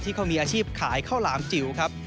เขามีอาชีพขายข้าวหลามจิ๋วครับ